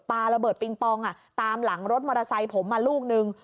ปลาระเบิดปิงปองตามหลังรถมอเตอร์ไซค์ผมมาลูกนึง